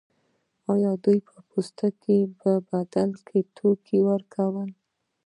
دوی د پوستکو په بدل کې توکي ورکول.